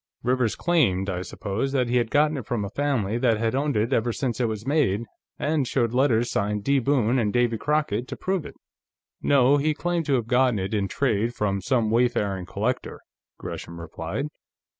"Rivers claimed, I suppose, that he had gotten it from a family that had owned it ever since it was made, and showed letters signed 'D. Boone' and 'Davy Crockett' to prove it?" "No, he claimed to have gotten it in trade from some wayfaring collector," Gresham replied.